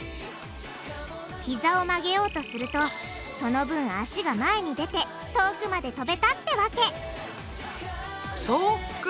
ひざを曲げようとするとその分足が前に出て遠くまでとべたってわけそっか。